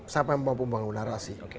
siapa yang mampu membangun narasi